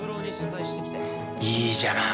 いいじゃない。